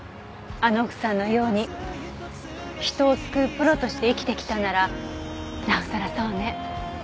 あの奥さんのように人を救うプロとして生きてきたならなおさらそうね。